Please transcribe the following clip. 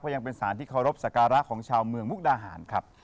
ยังเป็นสารที่เคารพสักการะของชาวเมืองมุกดาหารครับ